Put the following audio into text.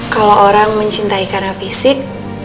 kalau orang mencintai karena fisik